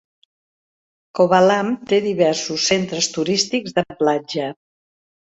Kovalam té diversos centres turístics de platja.